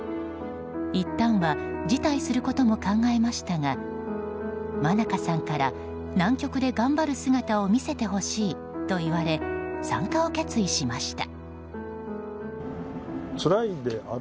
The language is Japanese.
いったんは辞退することも考えましたが愛加さんから、南極で頑張る姿を見せてほしいと言われ参加を決意しました。